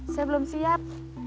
saya belum siap